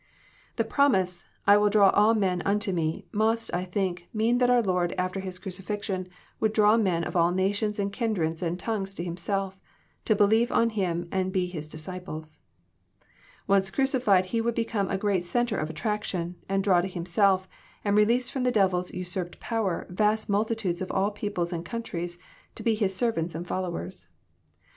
The promise, '* I will draw all men unto Me," must, I think, mean that our Lord after His crucifixion would draw men of all nations and kindreds and tongues to Himself, to believe on Him and be His disciples. Once crucified, He would become a great centre of attraction, and draw to Himself, and release from the devil's usurped power, vast multitudes of all peoples and countries, to be His servants and followers.